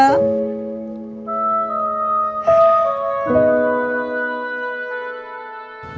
itu hukumnya rumah tangga